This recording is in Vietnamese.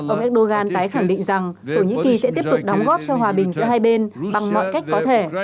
ông erdogan tái khẳng định rằng thổ nhĩ kỳ sẽ tiếp tục đóng góp cho hòa bình giữa hai bên bằng mọi cách có thể